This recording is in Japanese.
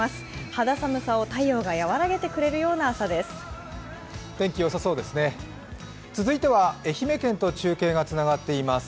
肌寒さを太陽が和らげてくれるような朝です。